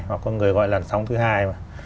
hoặc có người gọi là lần sóng thứ hai mà